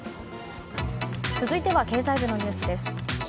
続いては経済部のニュースです。